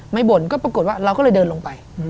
บ่นก็ปรากฏว่าเราก็เลยเดินลงไป